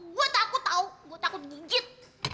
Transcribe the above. gue takut tau gue takut nyingkit